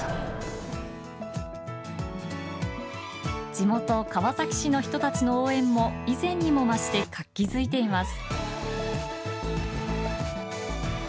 地元川崎市の人たちの応援も以前にも増して活気づいています。